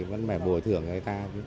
vẫn phải bồi thưởng người ta